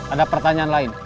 ada pertanyaan lain